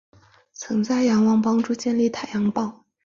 曾在仰光帮助建立太阳报。